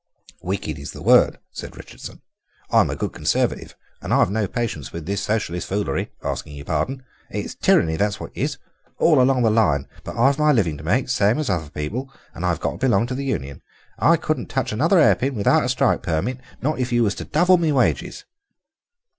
"Wicked is the word," said Richardson; "I'm a good Conservative and I've no patience with this Socialist foolery, asking your pardon. It's tyranny, that's what it is, all along the line, but I've my living to make, same as other people, and I've got to belong to the union. I couldn't touch another hair pin without a strike permit, not if you was to double my wages."